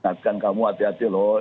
ingatkan kamu hati hati loh